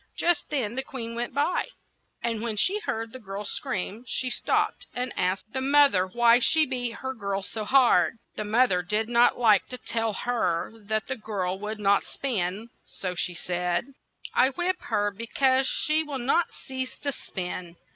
Just then the queen went by, and when she heard the girl's screams she stopped and asked the moth er why she beat her girl so hard. The moth er did not like to tell her that the girl would not spin, so she said: "I whip her be cause she will not cease to spin.